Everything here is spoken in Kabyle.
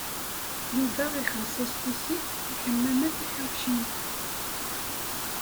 Yuba ixelleṣ-as tisit i Ḥemmama Taḥawcint.